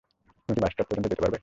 তুমি কি bus stop পর্যন্ত যেতে পারবে?